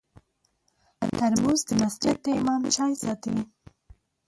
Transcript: ترموز د مسجد د امام چای ساتي.